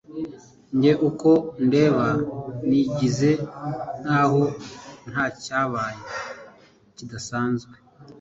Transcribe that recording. njye uko undeba nigize nkaho ntacyabaye kidasanzwe